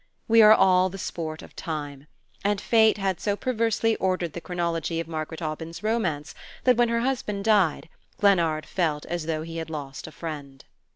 We are all the sport of time; and fate had so perversely ordered the chronology of Margaret Aubyn's romance that when her husband died Glennard felt as though he had lost a friend.